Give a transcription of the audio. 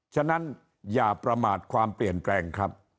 ฉะนั้นอย่าประมาทความเปลี่ยนแปลงครับ